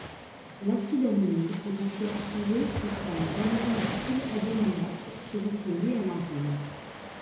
L'acide aminé est ainsi activé sous forme d'aminoacyl-adénylate, qui reste lié à l'enzyme.